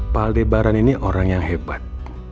pak aldebaran ini orang yang hebat